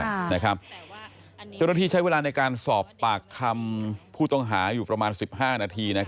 เจ้าหน้าที่ใช้เวลาในการสอบปากคำผู้ต้องหาอยู่ประมาณ๑๕นาที